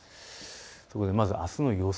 そこでまず、あすの予想